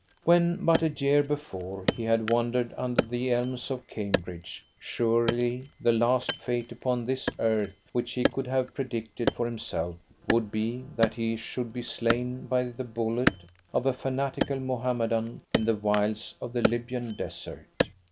When, but a year before, he had wandered under the elms of Cambridge, surely the last fate upon this earth which he could have predicted for himself would be that he should be slain by the bullet of a fanatical Mohammedan in the wilds of the Libyan Desert.